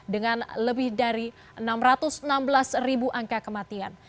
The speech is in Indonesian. dengan lebih dari enam ratus enam belas ribu angka kematian